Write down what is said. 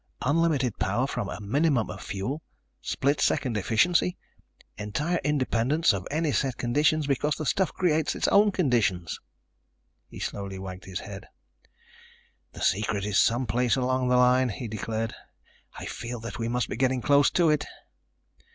Unlimited power from a minimum of fuel. Split second efficiency. Entire independence of any set condition, because the stuff creates its own conditions." He slowly wagged his head. "The secret is some place along the line," he declared. "I feel that we must be getting close to it."